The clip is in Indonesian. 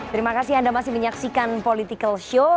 terima kasih anda masih menyaksikan political show